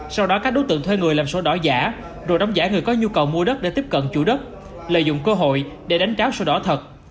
sau đó các đối tượng thuê người làm sổ đỏ giả rồi đóng giải người có nhu cầu mua đất để tiếp cận chủ đất lợi dụng cơ hội để đánh tráo sổ đỏ thật